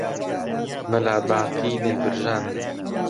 مەلا باقی دەیبرژاندن